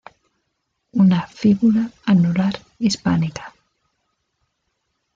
Una fíbula anular hispánica.